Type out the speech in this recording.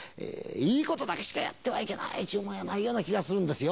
いいことだけしかやってはいけないというもんじゃない気がするんですよ。